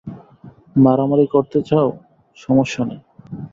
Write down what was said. মারামারি করতে চাও, সমস্যা নেই।